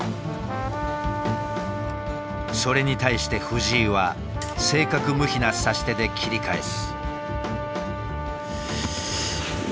それに対して藤井は正確無比な指し手で切り返す。